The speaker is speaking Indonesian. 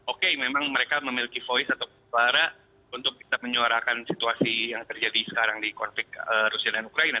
oke memang mereka memiliki voice atau suara untuk kita menyuarakan situasi yang terjadi sekarang di konflik rusia dan ukraina